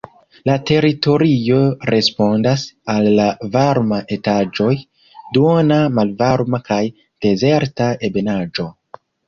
La teritorio respondas al la varma etaĝoj, duona, malvarma kaj dezerta ebenaĵo.